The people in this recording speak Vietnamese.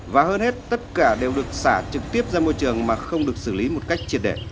và hơn hết tất cả đều được xả trực tiếp ra môi trường mà không được xử lý một cách triệt đẻ